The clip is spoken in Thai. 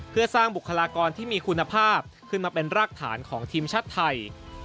เพื่อสร้างบุคลากรที่มีคุณภาพขึ้นมาเป็นรากฐานของทีมชาติไทย